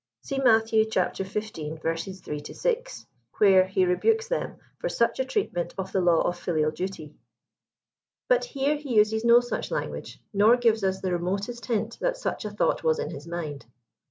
See Matt. XV. 3 — 6, where he rebukes them for such a treatment of the law of filial duty. But here he uses no 141 such langu^e, nor gives us the remotest hint that such a thought was in his mind.